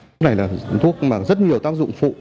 thuốc này là thuốc mà rất nhiều tác dụng phụ